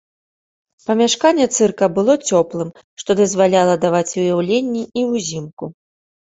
Памяшканне цырка было цёплым, што дазваляла даваць уяўленні і ўзімку.